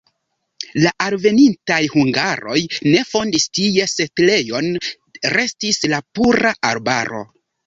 La alvenintaj hungaroj ne fondis tie setlejon, restis la pura arbaro.